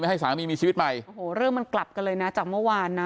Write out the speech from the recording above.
ให้สามีมีชีวิตใหม่โอ้โหเรื่องมันกลับกันเลยนะจากเมื่อวานนะ